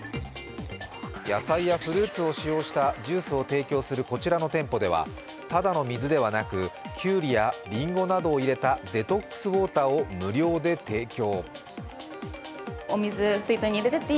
野菜やフルーツを使用したジュースを提供するこちらの店舗ではただの水ではなく、きゅうりやりんごなどを入れたデトックスウォーターを無料で提供。